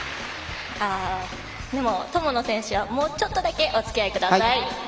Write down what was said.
友野選手はもうちょっとだけおつきあいください。